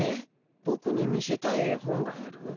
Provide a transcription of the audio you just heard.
ボクに見せたい絵本がある？